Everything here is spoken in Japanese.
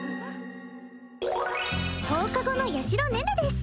放課後の八尋寧々です